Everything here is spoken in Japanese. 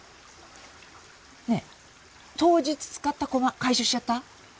ねえ当日使った駒回収しちゃった？